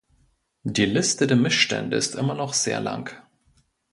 Die Liste der Missstände ist immer noch sehr lang.